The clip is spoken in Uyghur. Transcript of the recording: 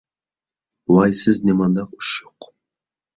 ۋاي سىز نېمانداق ئۇششۇق!